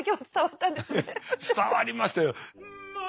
伝わりましたよ。